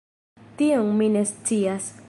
Tion mi ne scias.